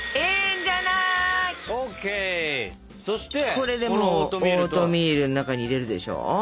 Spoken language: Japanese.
これでもうオートミールの中に入れるでしょ。